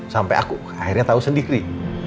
sampe aku akhirnya tau sendiri